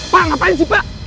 pak ngapain sih pak